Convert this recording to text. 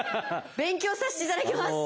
勉強させていただきます！